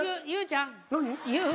佑ちゃん？